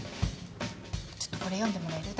ちょっとこれ読んでもらえる？